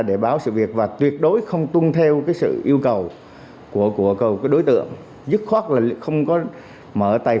biết về việc và tuyệt đối không tuân theo sự yêu cầu của đối tượng dứt khoát là không có mở tài